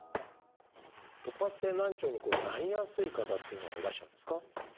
突発性難聴になりやすい方っていうのはいらっしゃるんですか？